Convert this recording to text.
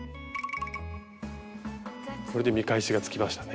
これで見返しがつきましたね。